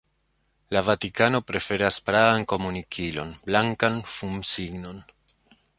La Vatikano preferas praan komunikilon: blankan fumsignon.